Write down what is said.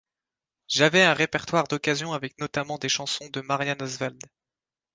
J'avais un répertoire d'occasion avec notamment des chansons de Marianne Oswald.